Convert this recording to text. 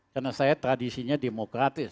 karena saya tradisinya demokratis